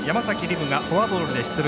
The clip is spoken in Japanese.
夢がフォアボールで出塁。